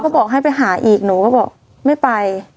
ก็บอกให้ไปหาอีกหนูก็บอกไม่ไป